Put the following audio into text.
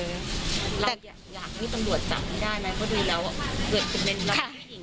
เราอยากให้ประโยชน์จับได้ไหมเพราะดูแล้วเกิดเป็นเรื่องไม่ง่ายนะ